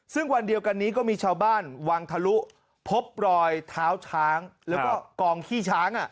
ซึ่งวันเดียวกันนี้ก็มีชาวบ้านวังทะลุพบรอยเท้าช้างแล้วก็กองขี้ช้าง